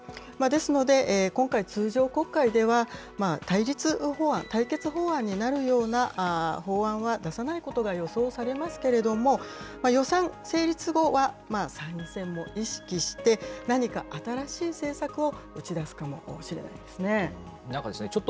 ですので、今回、通常国会では、対立法案、対決法案になるような法案は出さないことが予想されますけれども、予算成立後は、参院選も意識して、何か新しい政策を打ち出すかもしれないですね。